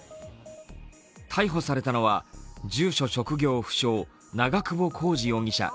逮捕されたのは住所・職業不詳長久保浩二容疑者